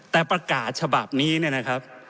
แต่ประกาศฉบับนี้เนี่ยนะครับ